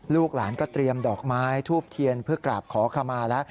ลูกหลานก็เตรียมดอกไม้ทูบเทียนเพื่อกราบขอขมาแล้ว